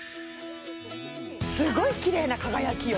すごいキレイな輝きよ